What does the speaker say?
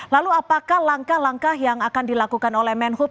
lalu apakah langkah langkah yang akan dilakukan oleh menhub